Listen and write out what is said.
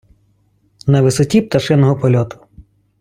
На висоті пташиного польоту